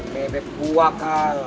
merebek buah kak